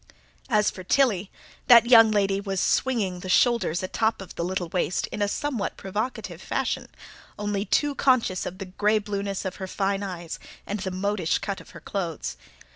As for Tilly, that young lady was swinging the shoulders atop of the little waist in a somewhat provocative fashion, only too conscious of the grey blueness of her fine eyes, and the modish cut of her clothes.